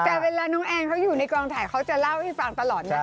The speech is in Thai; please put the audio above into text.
แต่เวลาน้องแอนเขาอยู่ในกองถ่ายเขาจะเล่าให้ฟังตลอดนะ